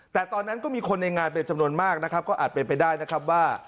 แต่ตอนนั้นก็มีคนในงานเป็นจำนวนมากนะครับก็อาจเป็นไปได้นะครับว่า